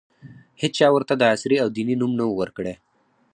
هېچا ورته د عصري او دیني نوم نه ؤ ورکړی.